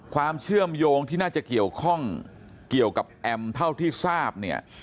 ความเชื่อมโยงที่น่าจะเกี่ยวข้องเกี่ยวกับแอมเท่าที่ทราบเนี่ย